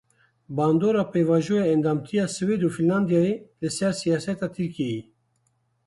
Bandora pêvajoya endamtiya Swêd û Fînlandyayê li ser siyaseta Tirkiyeyê.